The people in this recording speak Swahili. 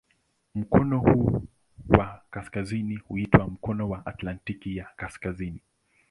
Mkono huu wa kaskazini huitwa "Mkondo wa Atlantiki ya Kaskazini".